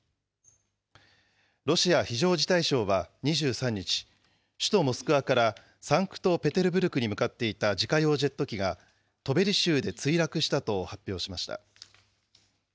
ロシア非常事態省は２３日、首都モスクワからサンクトペテルブルクに向かっていた自家用ジェット機がトベリ州で墜落したと発表しました。